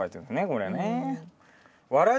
これね。